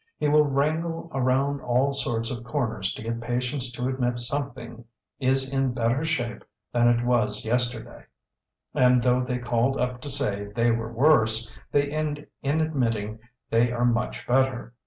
He will wrangle around all sorts of corners to get patients to admit something is in better shape than it was yesterday, and though they called up to say they were worse, they end in admitting they are much better.